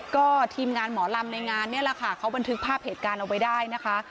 ก็ทีมงานหมอลำในงานนี่แหละค่ะเขาบันทึกภาพเหตุการณ์เอาไว้ได้นะคะ